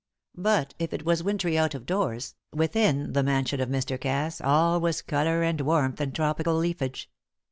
But if it was wintry out of doors, within the mansion of Mr. Cass all was colour and warmth and tropical leafage.